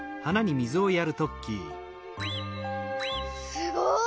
すごい。